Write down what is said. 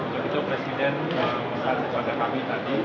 begitu presiden mengatakan pada kami tadi